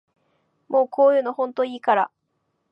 もうこういうのほんといいから